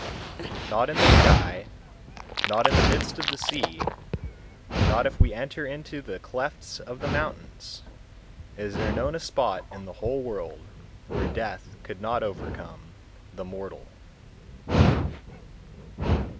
127. Not in the sky, not in the midst of the sea, not if we enter into the clefts of the mountains, is there known a spot in the whole world where death could not overcome (the mortal).